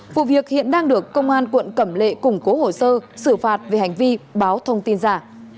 vụ việc hiện đang được công an quận cẩm lệ củng cố hồ sơ xử phạt về hành vi báo thông tin giả